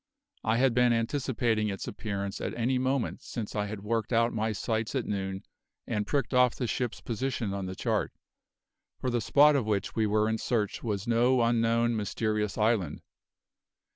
I had been anticipating its appearance at any moment since I had worked out my sights at noon and pricked off the ship's position on the chart, for the spot of which we were in search was no unknown, mysterious island.